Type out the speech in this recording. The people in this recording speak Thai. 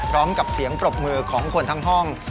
พร้อมกับเสียงปรบมือของคนทั้งห้อง